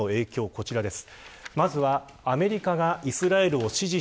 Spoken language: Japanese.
こちらです。